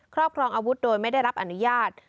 ครอบครองอาวุธโดยไม่ได้รับอนุญาต